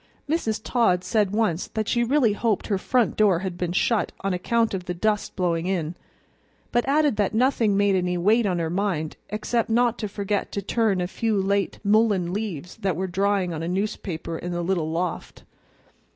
Mrs. Todd said once that she really hoped her front door had been shut on account of the dust blowing in, but added that nothing made any weight on her mind except not to forget to turn a few late mullein leaves that were drying on a newspaper in the little loft.